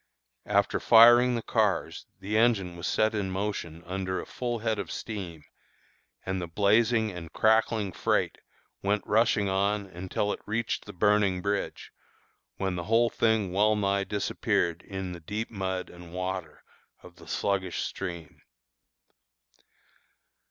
After firing the cars, the engine was set in motion under a full head of steam, and the blazing and crackling freight went rushing on until it reached the burning bridge, when the whole thing well nigh disappeared in the deep mud and water of the sluggish stream.